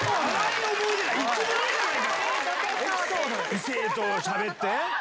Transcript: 異性としゃべって。